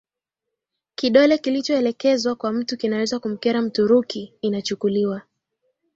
kidole kilichoelekezwa kwa mtu kinaweza kumkera Mturuki Inachukuliwa